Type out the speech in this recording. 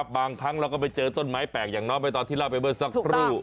บางครั้งเราก็ไปเจอต้นไม้แปลกอย่างน้องไปตอนที่เล่าไปเมื่อสักครู่